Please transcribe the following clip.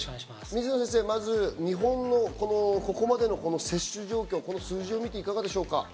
水野先生、日本のここまでの接種状況、数字を見ていかがですか？